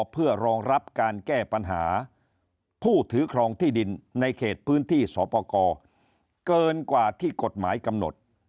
เพื่อรองรับการแก้ปัญหาผู้ถือครองที่ดินในเขตพื้นที่สอปกรเกินกว่าที่กฎหมายกำหนด